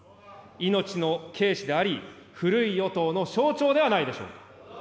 命の軽視であり、古い与党の象徴ではないでしょうか。